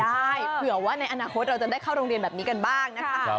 เผื่อว่าในอนาคตเราจะได้เข้าโรงเรียนแบบนี้กันบ้างนะคะ